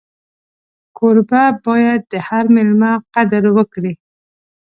کوربه باید د هر مېلمه قدر وکړي.